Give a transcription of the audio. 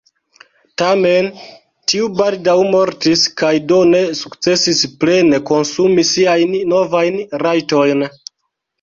Tamen tiu baldaŭ mortis kaj do ne sukcesis plene konsumi siajn novajn rajtojn.